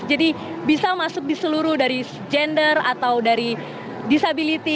jadi bisa masuk di seluruh dari gender atau dari disability